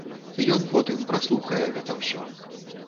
Ён потым праслухае гэта ўсё.